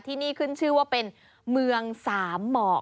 ที่นี่ขึ้นชื่อว่าเป็นเมืองสามหมอก